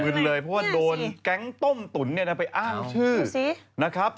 เพราะว่าโดนแก๊งต้มตุ๋นเนี่ยนะไปอ้างชื่อสินะครับ